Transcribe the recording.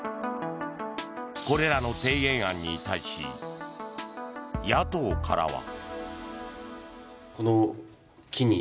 これらの提言案に対し野党からは。